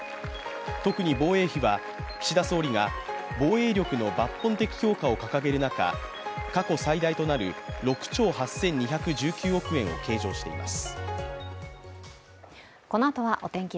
特に防衛費は岸田総理が防衛力の抜本的強化を掲げる中過去最大となる６兆８２１９億円を計上しています。